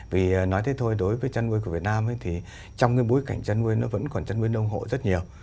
vì nói thế thôi đối với chăn nuôi của việt nam thì trong cái bối cảnh chăn nuôi nó vẫn còn chân nguyên nông hộ rất nhiều